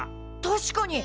確かに。